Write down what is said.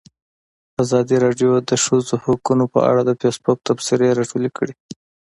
ازادي راډیو د د ښځو حقونه په اړه د فیسبوک تبصرې راټولې کړي.